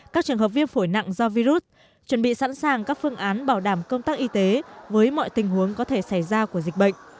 các trường hợp viêm phổi nặng do virus chuẩn bị sẵn sàng các phương án bảo đảm công tác y tế với mọi tình huống có thể xảy ra của dịch bệnh